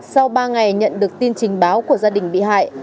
sau ba ngày nhận được tin trình báo của gia đình bị hại